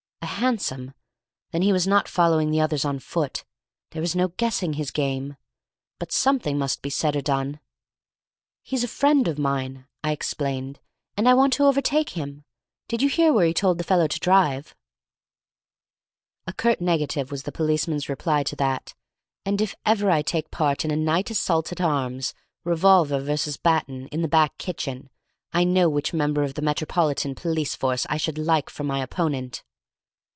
A hansom! Then he was not following the others on foot; there was no guessing his game. But something must be said or done. "He's a friend of mine," I explained, "and I want to overtake him. Did you hear where he told the fellow to drive?" A curt negative was the policeman's reply to that; and if ever I take part in a night assault at arms, revolver versus baton, in the back kitchen, I know which member of the Metropolitan Police Force I should like for my opponent.